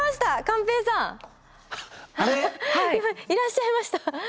いらっしゃいました。